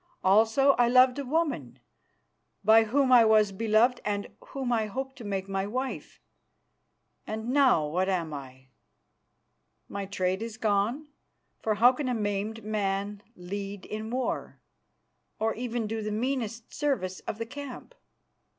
Also I loved a woman, by whom I was beloved and whom I hoped to make my wife. And now what am I? My trade is gone, for how can a maimed man lead in war, or even do the meanest service of the camp?